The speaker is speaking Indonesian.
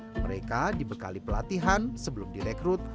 mereka dibekali pelatihan sebelum direkrut